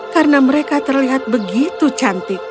karena mereka terlihat begitu cantik